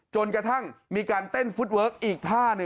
จนกระทั่งมีการเต้นฟุตเวิร์คอีกท่าหนึ่ง